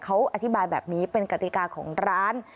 เขาอธิบายแบบนี้เป็นกติกาของร้าน